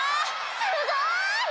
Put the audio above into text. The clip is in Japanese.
すごい！